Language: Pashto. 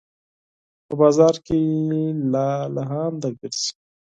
په بازار کې لالهانده ګرځي